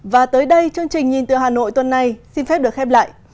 và tới đây chương trình nhìn từ hà nội tuần này xin phép được khép lại